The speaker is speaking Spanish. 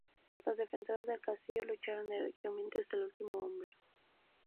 Los defensores del castillo lucharon heroicamente hasta el último hombre.